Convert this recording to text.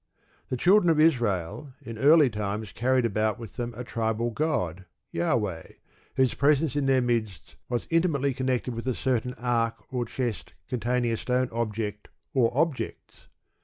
The children of Israel in early times carried about with them a tribal god, Jahweh, whose presence in their midst was intimately connected with a certain ark or chest containing a stone object or objects.